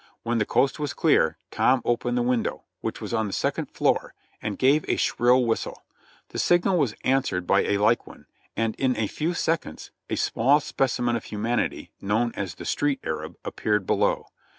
When the coast was clear Tom opened the window, which was on the second floor, and gave a shrill whistle ; the signal was answered by a like one, and in a few seconds a small specimen of humanity known as the "street Arab" appeared below.